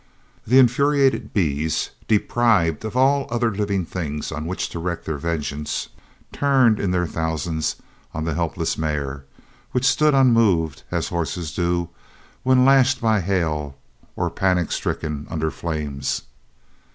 The infuriated bees, deprived of all other living things on which to wreak their vengeance, turned, in their thousands, on the hapless mare, which stood unmoved, as horses do, when lashed by hail or panic stricken under flames.